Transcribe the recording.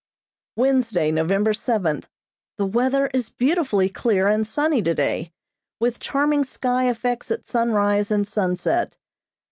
Wednesday, November seventh: The weather is beautifully clear and sunny today, with charming sky effects at sunrise and sunset.